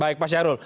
baik pak syarul